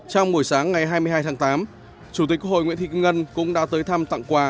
trong buổi sáng ngày hai mươi hai tháng tám chủ tịch hội nguyễn thị kim ngân cũng đã tới thăm tặng quà